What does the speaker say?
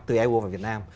từ eu và việt nam